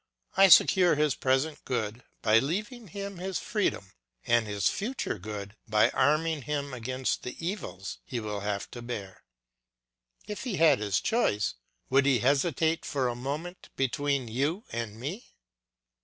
I secure his present good by leaving him his freedom, and his future good by arming him against the evils he will have to bear. If he had his choice, would he hesitate for a moment between you and me?